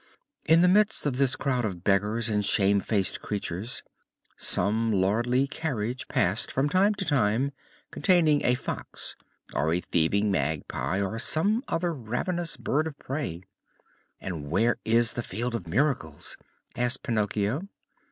In the midst of this crowd of beggars and shamefaced creatures some lordly carriage passed from time to time containing a Fox, or a thieving Magpie, or some other ravenous bird of prey. "And where is the Field of Miracles?" asked Pinocchio.